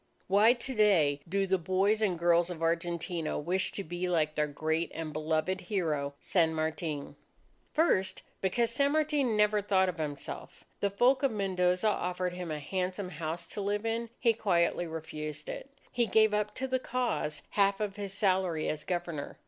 Why, to day, do the boys and girls of Argentina wish to be like their great and beloved hero San Martin? First, because San Martin never thought of himself. The folk of Mendoza offered him a handsome house to live in. He quietly refused it. He gave up to the cause half of his salary as Governor.